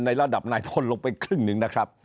ระดับนายทนลงไปครึ่งหนึ่งนะครับ